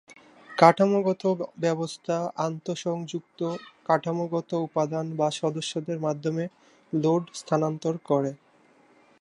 কাঠামোগত ব্যবস্থা আন্তঃসংযুক্ত কাঠামোগত উপাদান বা সদস্যদের মাধ্যমে লোড স্থানান্তর করে।